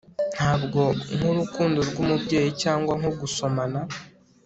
ntabwo nk'urukundo rw'umubyeyi cyangwa nko gusomana